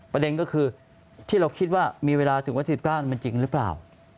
ประเด็นก็คือที่เราคิดว่ามีเวลาถึงวันที่๑๙มันจริงหรือเปล่า